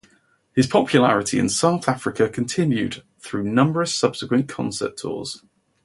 His popularity in South Africa continued through numerous subsequent concert tours.